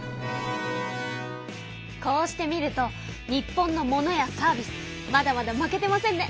こうして見ると日本のものやサービスまだまだ負けてませんね。